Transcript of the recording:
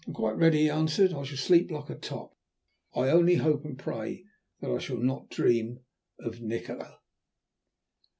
"I am quite ready," he answered. "I shall sleep like a top. I only hope and pray that I shall not dream of Nikola."